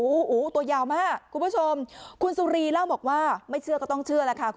โอ้โหตัวยาวมากคุณผู้ชมคุณสุรีเล่าบอกว่าไม่เชื่อก็ต้องเชื่อแล้วค่ะ